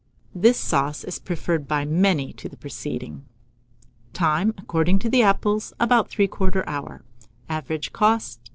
This sauce is preferred by many to the preceding. Time. According to the apples, about 3/4 hour. Average cost, 6d.